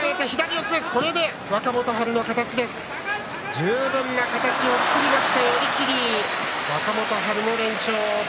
十分な形を作りました寄り切り、若元春、連勝です。